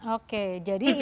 oke jadi itu